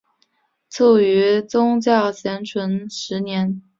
卒于度宗咸淳十年。